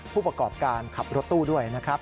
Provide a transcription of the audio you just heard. ผู้ประกอบการขับรถตู้ด้วยนะครับ